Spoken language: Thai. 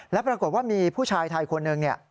แล้วปรากฏว่ามีผู้ชายไทยคนหนึ่งเนี่ย